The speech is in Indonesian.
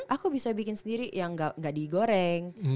aku bisa bikin sendiri yang nggak digoreng